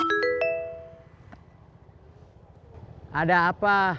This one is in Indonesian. gak ada apa